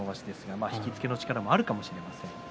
引きつけの力もあるかもしれませんね。